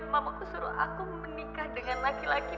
mamaku suruh aku menikah dengan laki laki